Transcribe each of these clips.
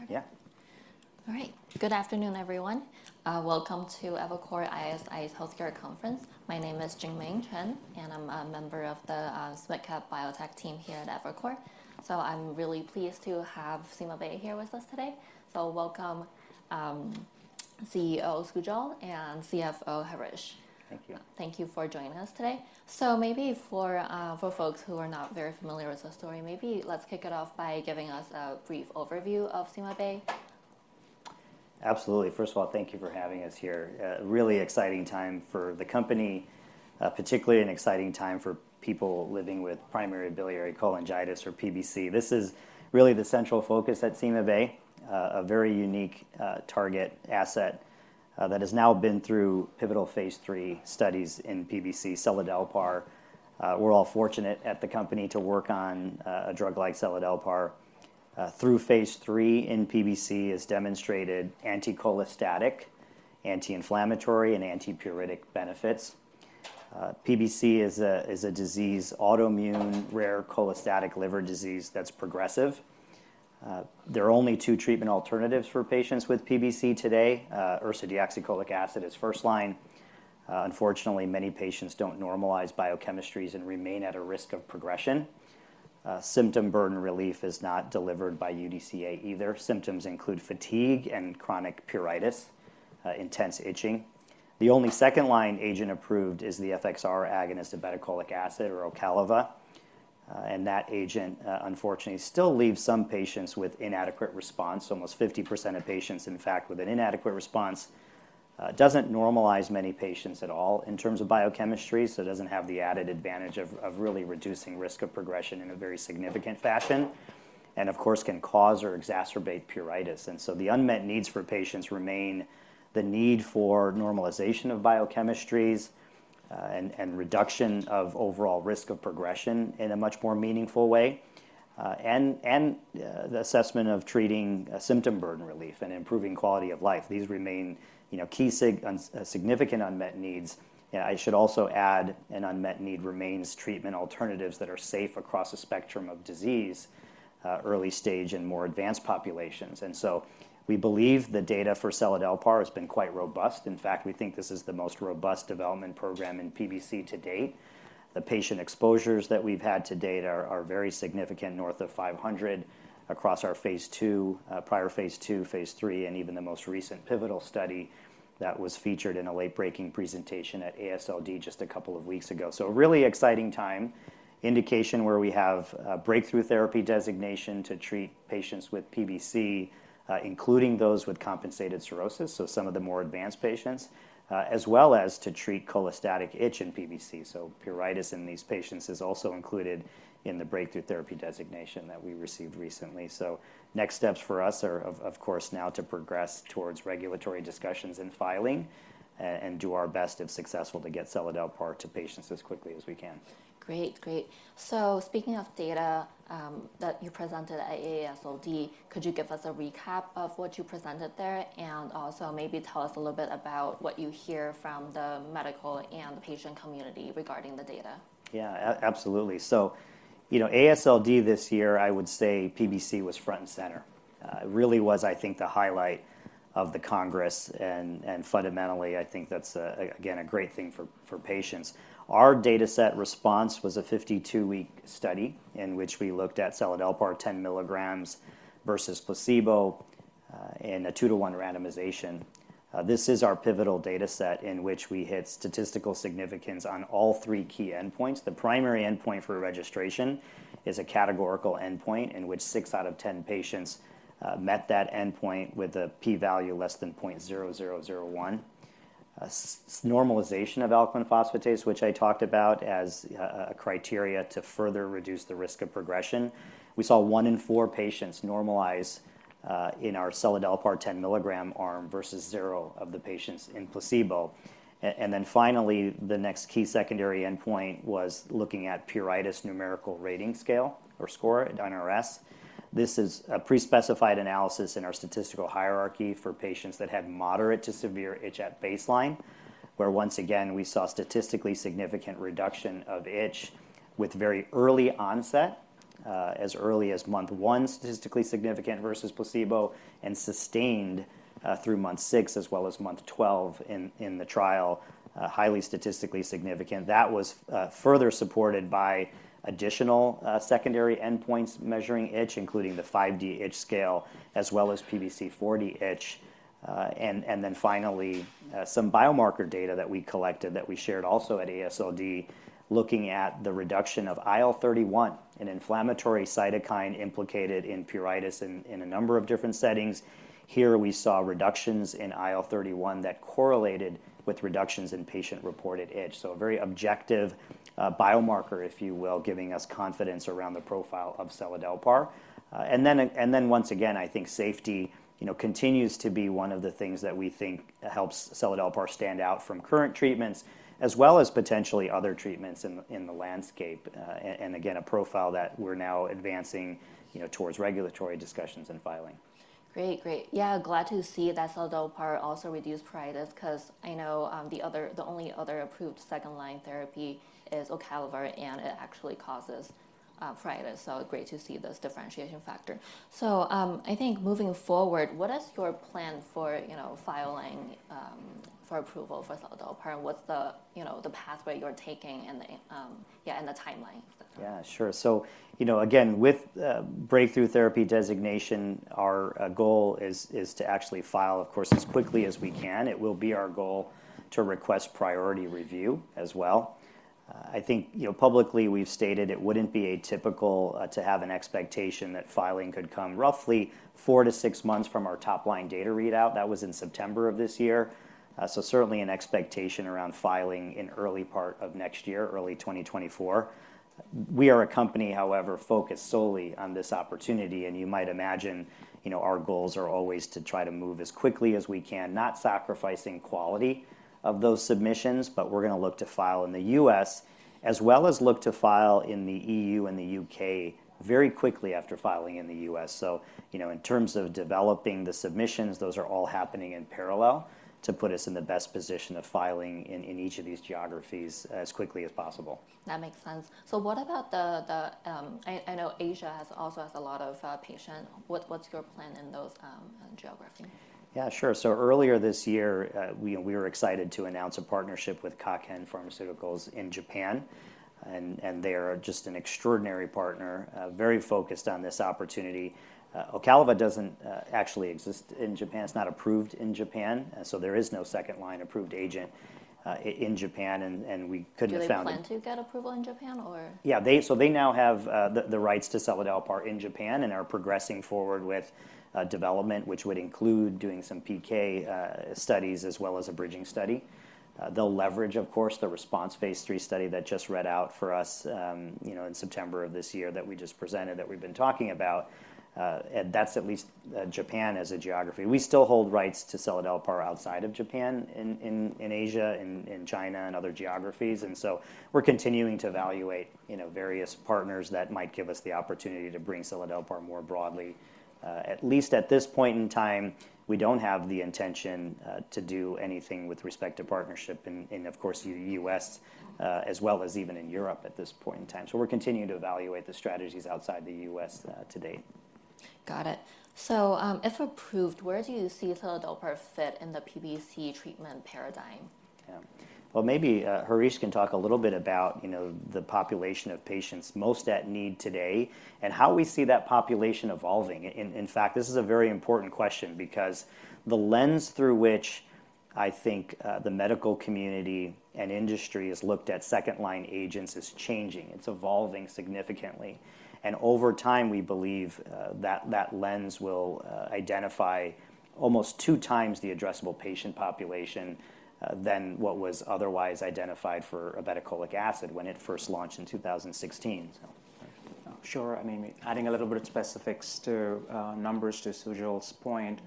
All right, I guess let's get started. Yeah. All right. Good afternoon, everyone. Welcome to Evercore ISI Healthcare Conference. My name is Jingming Chen, and I'm a member of the SMID Biotech team here at Evercore. So I'm really pleased to have CymaBay here with us today. So welcome, CEO, Sujal, and CFO, Harish. Thank you. Thank you for joining us today. So maybe for folks who are not very familiar with your story, maybe let's kick it off by giving us a brief overview of CymaBay. Absolutely. First of all, thank you for having us here. A really exciting time for the company, particularly an exciting time for people living with primary biliary cholangitis or PBC. This is really the central focus at CymaBay, a very unique target asset that has now been through pivotal phase III studies in PBC, seladelpar. We're all fortunate at the company to work on a drug like seladelpar. Through phase III in PBC has demonstrated anticholestatic, anti-inflammatory, and antipruritic benefits. PBC is a disease, autoimmune, rare, cholestatic liver disease that's progressive. There are only two treatment alternatives for patients with PBC today. Ursodeoxycholic acid is first line. Unfortunately, many patients don't normalize biochemistries and remain at a risk of progression. Symptom burden relief is not delivered by UDCA either. Symptoms include fatigue and chronic pruritus, intense itching. The only second-line agent approved is the FXR agonist obeticholic acid or Ocaliva. And that agent, unfortunately, still leaves some patients with inadequate RESPONSE, almost 50% of patients, in fact, with an inadequate RESPONSE, doesn't normalize many patients at all in terms of biochemistry, so it doesn't have the added advantage of really reducing risk of progression in a very significant fashion, and of course, can cause or exacerbate pruritus. And so the unmet needs for patients remain the need for normalization of biochemistries, and reduction of overall risk of progression in a much more meaningful way, and the assessment of treating a symptom burden relief and improving quality of life. These remain, you know, key significant unmet needs. I should also add, an unmet need remains [for] treatment alternatives that are safe across a spectrum of disease, early stage and more advanced populations. And so we believe the data for seladelpar has been quite robust. In fact, we think this is the most robust development program in PBC to date. The patient exposures that we've had to date are very significant, north of 500 across our phase II, prior phase II, phase III, and even the most recent pivotal study that was featured in a late breaking presentation at AASLD just a couple of weeks ago. So a really exciting time, indication where we have breakthrough therapy designation to treat patients with PBC, including those with compensated cirrhosis, so some of the more advanced patients, as well as to treat cholestatic itch in PBC. So pruritus in these patients is also included in the breakthrough therapy designation that we received recently. So next steps for us are, of course, now to progress towards regulatory discussions and filing, and do our best, if successful, to get seladelpar to patients as quickly as we can. Great, great. So speaking of data that you presented at AASLD, could you give us a recap of what you presented there, and also maybe tell us a little bit about what you hear from the medical and the patient community regarding the data? Yeah, absolutely. So, you know, AASLD this year, I would say PBC was front and center. It really was, I think, the highlight of the Congress, and fundamentally, I think that's again a great thing for patients. Our dataset response was a 52-week study in which we looked at seladelpar 10 mg versus placebo in a 2:1 randomization. This is our pivotal dataset in which we hit statistical significance on all three key endpoints. The primary endpoint for registration is a categorical endpoint, in which 6 out of 10 patients met that endpoint with a p-value less than 0.0001. Normalization of alkaline phosphatase, which I talked about as a criteria to further reduce the risk of progression. We saw 1 in 4 patients normalize in our seladelpar 10 milligram arm versus zero of the patients in placebo. And then finally, the next key secondary endpoint was looking at pruritus numerical rating scale or score, NRS. This is a pre-specified analysis in our statistical hierarchy for patients that had moderate to severe itch at baseline, where once again, we saw statistically significant reduction of itch with very early onset, as early as month 1, statistically significant versus placebo, and sustained through month 6 as well as month 12 in the trial, highly statistically significant. That was further supported by additional secondary endpoints measuring itch, including the 5D itch scale, as well as PBC-40 itch. And, and then finally, some biomarker data that we collected that we shared also at AASLD, looking at the reduction of IL-31, an inflammatory cytokine implicated in pruritus in a number of different settings. Here, we saw reductions in IL-31 that correlated with reductions in patient-reported itch. So a very objective, biomarker, if you will, giving us confidence around the profile of seladelpar. And then, and then once again, I think safety, you know, continues to be one of the things that we think helps seladelpar stand out from current treatments, as well as potentially other treatments in the landscape, and, and again, a profile that we're now advancing, you know, towards regulatory discussions and filing. ... Great, great. Yeah, glad to see that seladelpar also reduced pruritus, 'cause I know, the only other approved second-line therapy is Ocaliva, and it actually causes pruritus, so great to see this differentiation factor. So, I think moving forward, what is your plan for, you know, filing for approval for seladelpar, and what's the, you know, the pathway you're taking, and the, yeah, and the timeline? Yeah, sure. So, you know, again, with breakthrough therapy designation, our goal is to actually file, of course, as quickly as we can. It will be our goal to request priority review as well. I think, you know, publicly, we've stated it wouldn't be atypical to have an expectation that filing could come roughly four-six months from our top-line data readout. That was in September of this year. So certainly an expectation around filing in early part of next year, early 2024. We are a company, however, focused solely on this opportunity, and you might imagine, you know, our goals are always to try to move as quickly as we can, not sacrificing quality of those submissions, but we're gonna look to file in the U.S. as well as look to file in the EU and the U.K. very quickly after filing in the U.S. So, you know, in terms of developing the submissions, those are all happening in parallel to put us in the best position of filing in each of these geographies as quickly as possible. That makes sense. So what about the? I know Asia also has a lot of patients. What's your plan in those geographies? Yeah, sure. So earlier this year, we were excited to announce a partnership with Kaken Pharmaceuticals in Japan, and they are just an extraordinary partner, very focused on this opportunity. Ocaliva doesn't actually exist in Japan. It's not approved in Japan, so there is no second-line approved agent in Japan, and we couldn't have found- Do they plan to get approval in Japan or? Yeah, so they now have the rights to seladelpar in Japan and are progressing forward with development, which would include doing some PK studies, as well as a bridging study. They'll leverage, of course, the RESPONSE Phase III study that just read out for us, you know, in September of this year that we just presented, that we've been talking about, and that's at least Japan as a geography. We still hold rights to seladelpar outside of Japan, in Asia, in China, and other geographies, and so we're continuing to evaluate, you know, various partners that might give us the opportunity to bring seladelpar more broadly. At least at this point in time, we don't have the intention to do anything with respect to partnership in, of course, the U.S., as well as even in Europe at this point in time. So we're continuing to evaluate the strategies outside the U.S. today. Got it. So, if approved, where do you see seladelpar fit in the PBC treatment paradigm? Yeah. Well, maybe, Harish can talk a little bit about, you know, the population of patients most at need today and how we see that population evolving. In fact, this is a very important question because the lens through which I think the medical community and industry has looked at second-line agents is changing. It's evolving significantly, and over time, we believe that that lens will identify almost two times the addressable patient population than what was otherwise identified for ursodeoxycholic acid when it first launched in 2016. So... Sure. I mean, adding a little bit of specifics to numbers to Sujal's point,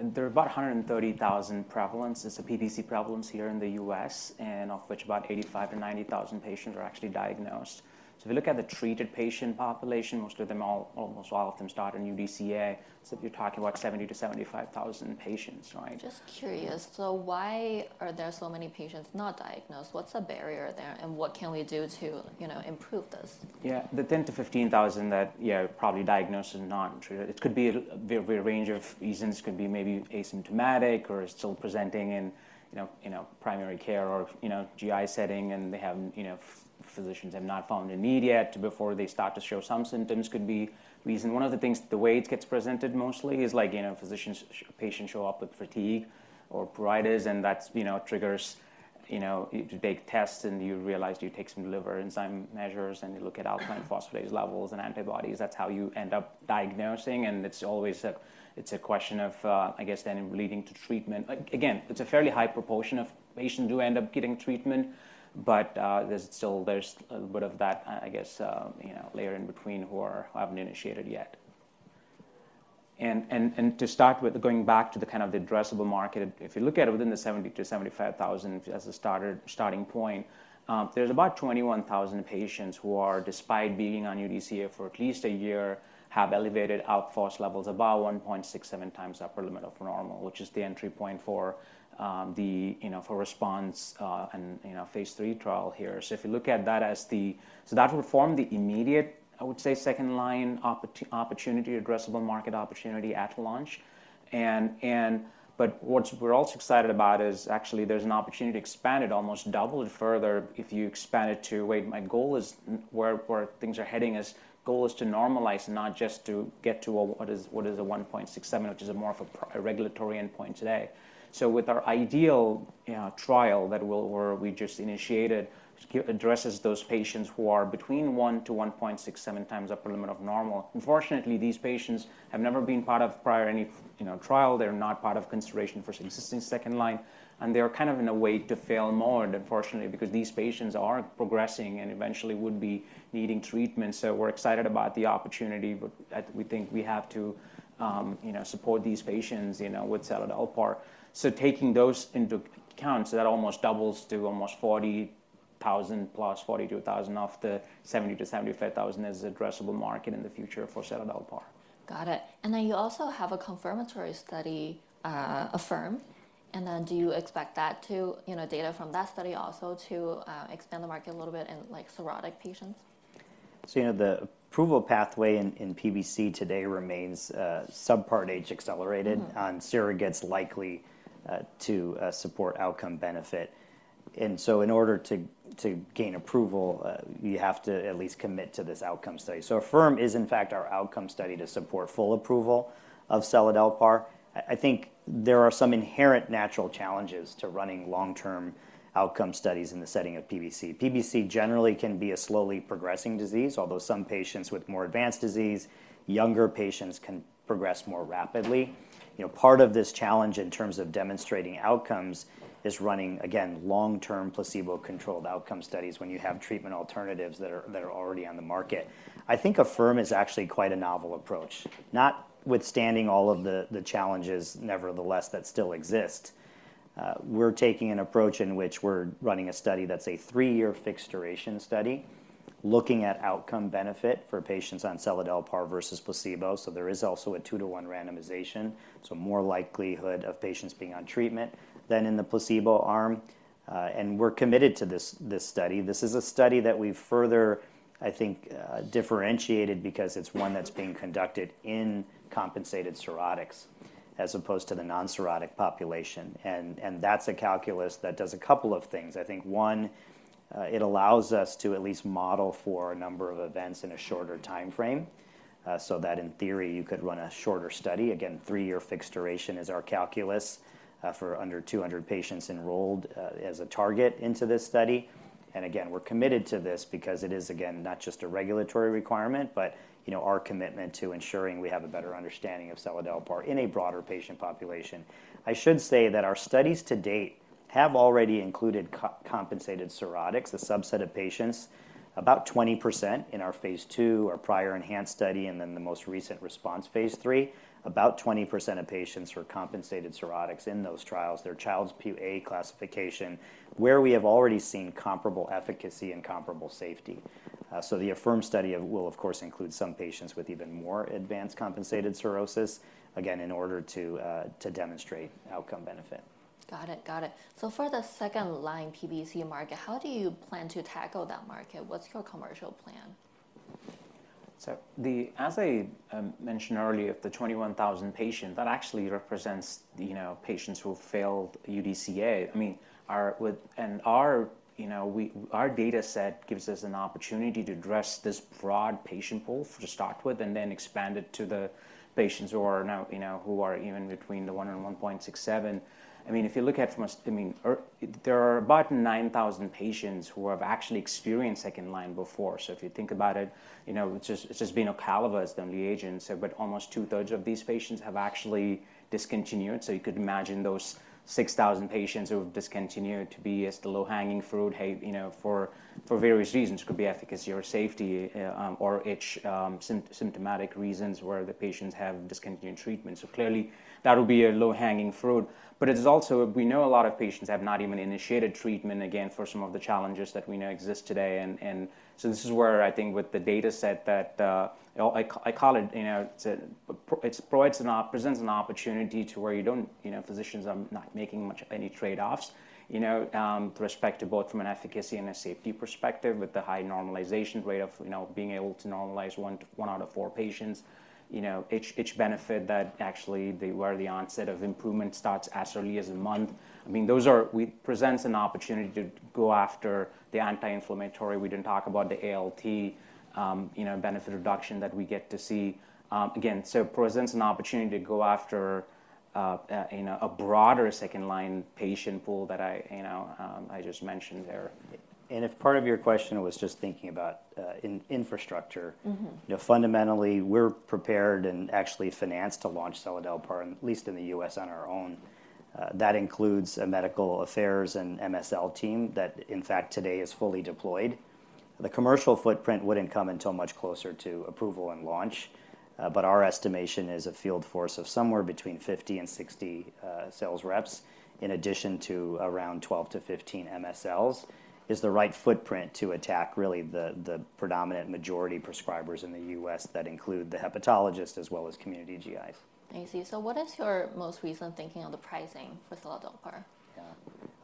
there are about 130,000 prevalence, it's a PBC prevalence here in the U.S., and of which about 85,000-90,000 patients are actually diagnosed. So if you look at the treated patient population, most of them all—almost all of them start on UDCA. So you're talking about 70,000-75,000 patients, right? Just curious, so why are there so many patients not diagnosed? What's the barrier there, and what can we do to, you know, improve this? Yeah. The 10-15,000 that, yeah, probably diagnosed and not treated, it could be a very range of reasons. Could be maybe asymptomatic or still presenting in, you know, you know, primary care or, you know, GI setting, and they have, you know, physicians have not found a need yet before they start to show some symptoms could be reason. One of the things, the way it gets presented mostly is, like, you know, physicians, patients show up with fatigue or pruritus, and that's, you know, triggers, you know, you to take tests, and you realize you take some liver enzyme measures, and you look at alkaline phosphatase levels and antibodies. That's how you end up diagnosing, and it's always a question of, I guess, then leading to treatment. Again, it's a fairly high proportion of patients do end up getting treatment, but there's still a little bit of that, I guess, you know, layer in between who haven't initiated yet. And to start with, going back to the kind of the addressable market, if you look at it within the 70,000-75,000 as a starter, starting point, there's about 21,000 patients who are, despite being on UDCA for at least a year, have elevated alk phos levels above 1.67 times upper limit of normal, which is the entry point for the, you know, for RESPONSE, and, you know, phase III trial here. So if you look at that as the... So that will form the immediate, I would say, second-line opportunity, addressable market opportunity at launch. But what we're also excited about is actually there's an opportunity to expand it, almost double it further if you expand it to my goal, where things are heading is, goal is to normalize, not just to get to a what is a 1.67, which is more of a regulatory endpoint today. So with our ideal trial that we'll where we just initiated addresses those patients who are between 1 to 1.67 times upper limit of normal. Unfortunately, these patients have never been part of prior any, you know, trial. They're not part of consideration for existing second line, and they are kind of in a way to fail more, unfortunately, because these patients are progressing and eventually would be needing treatment. So we're excited about the opportunity, but we think we have to, you know, support these patients, you know, with seladelpar. So taking those into account, so that almost doubles to almost 40,000 plus 42,000 of the 70,000-75,000 is addressable market in the future for seladelpar. Got it. And then you also have a confirmatory study, AFFIRM. And then do you expect that to, you know, data from that study also to, expand the market a little bit in, like, cirrhotic patients? You know, the approval pathway in PBC today remains Subpart H accelerated- Mm-hmm. on surrogates likely to support outcome benefit. And so in order to gain approval, you have to at least commit to this outcome study. So AFFIRM is, in fact, our outcome study to support full approval of seladelpar. I think there are some inherent natural challenges to running long-term outcome studies in the setting of PBC. PBC generally can be a slowly progressing disease, although some patients with more advanced disease, younger patients can progress more rapidly. You know, part of this challenge in terms of demonstrating outcomes is running, again, long-term placebo-controlled outcome studies when you have treatment alternatives that are already on the market. I think AFFIRM is actually quite a novel approach, notwithstanding all of the challenges, nevertheless, that still exist. We're taking an approach in which we're running a study that's a three-year fixed duration study, looking at outcome benefit for patients on seladelpar versus placebo. So there is also a 2:1 randomization, so more likelihood of patients being on treatment than in the placebo arm. And we're committed to this, this study. This is a study that we've further, I think, differentiated because it's one that's being conducted in compensated cirrhotics, as opposed to the non-cirrhotic population. And that's a calculus that does a couple of things. I think, one, it allows us to at least model for a number of events in a shorter timeframe, so that in theory, you could run a shorter study. Again, three-year fixed duration is our calculus, for under 200 patients enrolled, as a target into this study. And again, we're committed to this because it is, again, not just a regulatory requirement, but, you know, our commitment to ensuring we have a better understanding of seladelpar in a broader patient population. I should say that our studies to date have already included compensated cirrhotics, a subset of patients, about 20% in our phase II or prior ENHANCE study, and then the most recent RESPONSE phase III. About 20% of patients were compensated cirrhotics in those trials, their Child-Pugh A classification, where we have already seen comparable efficacy and comparable safety. So the AFFIRM study of... will, of course, include some patients with even more advanced compensated cirrhosis, again, in order to demonstrate outcome benefit. Got it. Got it. So for the second-line PBC market, how do you plan to tackle that market? What's your commercial plan? So as I mentioned earlier, of the 21,000 patients, that actually represents, you know, patients who failed UDCA. I mean, our data set gives us an opportunity to address this broad patient pool, to start with, and then expand it to the patients who are now, you know, who are even between the 1 and 1.67. I mean, if you look at, there are about 9,000 patients who have actually experienced second-line before. So if you think about it, you know, it's just been Ocaliva as the only agent, so but almost two-thirds of these patients have actually discontinued. So you could imagine those 6,000 patients who have discontinued to be as the low-hanging fruit, hey, you know, for various reasons. Could be efficacy or safety, or itch, symptomatic reasons where the patients have discontinued treatment. So clearly, that would be a low-hanging fruit. But it is also, we know a lot of patients have not even initiated treatment, again, for some of the challenges that we know exist today. And so this is where I think with the data set that I call it, you know, it presents an opportunity to where you don't, you know, physicians are not making much any trade-offs, you know, perspective both from an efficacy and a safety perspective, with the high normalization rate of, you know, being able to normalize one out of four patients. You know, each benefit that actually where the onset of improvement starts as early as a month. I mean, those presents an opportunity to go after the anti-inflammatory. We didn't talk about the ALT, you know, benefit reduction that we get to see. Again, so presents an opportunity to go after, you know, a broader second-line patient pool that I, you know, I just mentioned there. If part of your question was just thinking about infrastructure- Mm-hmm. You know, fundamentally, we're prepared and actually financed to launch seladelpar, at least in the U.S., on our own. That includes a medical affairs and MSL team that, in fact, today is fully deployed. The commercial footprint wouldn't come until much closer to approval and launch, but our estimation is a field force of somewhere between 50 and 60 sales reps, in addition to around 12-15 MSLs, is the right footprint to attack really the predominant majority prescribers in the U.S. that include the hepatologist as well as community GIs. I see. So what is your most recent thinking on the pricing for seladelpar? Yeah.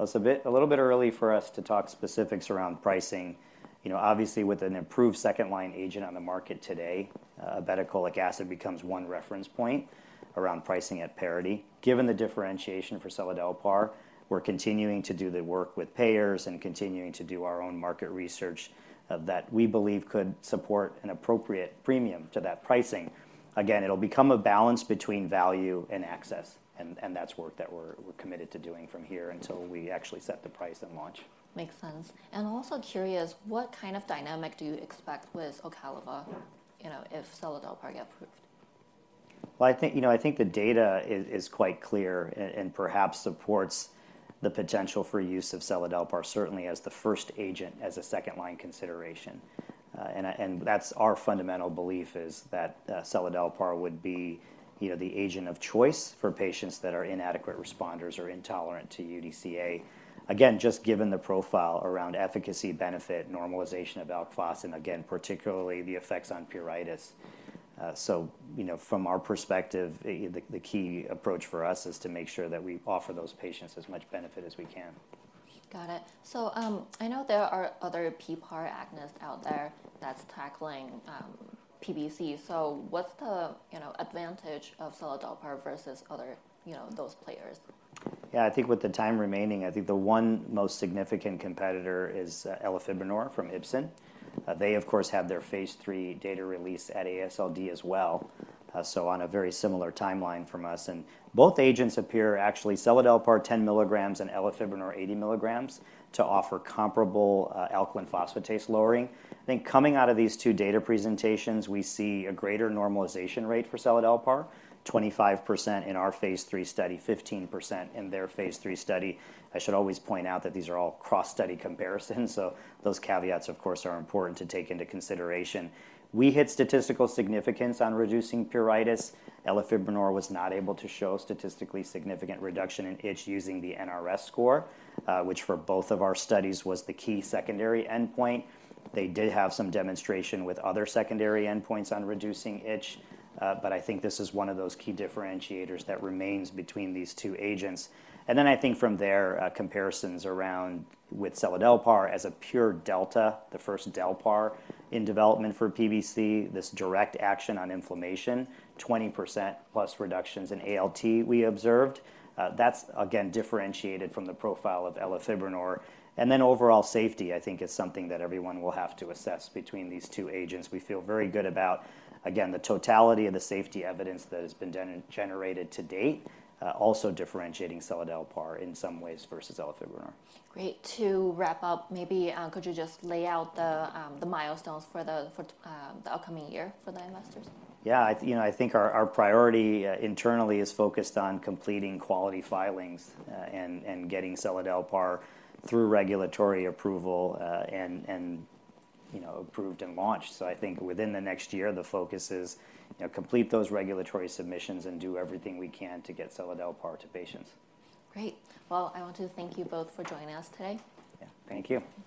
It's a bit, a little bit early for us to talk specifics around pricing. You know, obviously, with an improved second-line agent on the market today, ursodeoxycholic acid becomes one reference point around pricing at parity. Given the differentiation for seladelpar, we're continuing to do the work with payers and continuing to do our own market research, that we believe could support an appropriate premium to that pricing. Again, it'll become a balance between value and access, and, and that's work that we're, we're committed to doing from here until we actually set the price and launch. Makes sense. And I'm also curious, what kind of dynamic do you expect with Ocaliva? Yeah... you know, if seladelpar get approved? Well, I think, you know, I think the data is quite clear and perhaps supports the potential for use of seladelpar, certainly as the first agent, as a second-line consideration. And that's our fundamental belief is that seladelpar would be, you know, the agent of choice for patients that are inadequate responders or intolerant to UDCA. Again, just given the profile around efficacy, benefit, normalization of alk phos, and again, particularly the effects on pruritus. So, you know, from our perspective, the key approach for us is to make sure that we offer those patients as much benefit as we can. Got it. So, I know there are other PPAR agonists out there that's tackling PBC. So what's the, you know, advantage of seladelpar versus other, you know, those players? Yeah, I think with the time remaining, I think the one most significant competitor is elafibranor from Ipsen. They, of course, had their Phase III data release at AASLD as well, so on a very similar timeline from us. And both agents appear actually seladelpar 10 milligrams and elafibranor 80 milligrams to offer comparable alkaline phosphatase lowering. I think coming out of these two data presentations, we see a greater normalization rate for seladelpar, 25% in our Phase III study, 15% in their Phase III study. I should always point out that these are all cross-study comparisons, so those caveats, of course, are important to take into consideration. We hit statistical significance on reducing pruritus. Elafibranor was not able to show statistically significant reduction in itch using the NRS score, which for both of our studies was the key secondary endpoint. They did have some demonstration with other secondary endpoints on reducing itch, but I think this is one of those key differentiators that remains between these two agents. And then I think from there, comparisons around with seladelpar as a pure delta, the first delpar in development for PBC, this direct action on inflammation, 20%+ reductions in ALT we observed. That's again differentiated from the profile of elafibranor. And then overall safety, I think, is something that everyone will have to assess between these two agents. We feel very good about, again, the totality of the safety evidence that has been generated to date, also differentiating seladelpar in some ways versus elafibranor. Great. To wrap up, maybe, could you just lay out the milestones for the upcoming year for the investors? Yeah. I think our priority internally is focused on completing quality filings, and getting seladelpar through regulatory approved and launched. So I think within the next year, the focus is, complete those regulatory submissions and do everything we can to get seladelpar to patients. Great. Well, I want to thank you both for joining us today. Yeah. Thank you. Thank you.